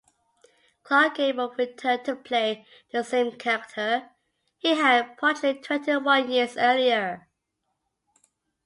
Clark Gable returned to play the same character he had portrayed twenty-one years earlier.